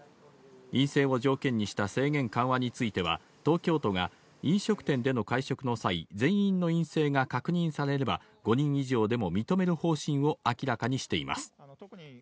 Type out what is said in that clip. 陰性を条件にした制限緩和については、東京都が飲食店での会食の際、全員の陰性が確認されれば、５人以上でも認める方針を明らかにしています。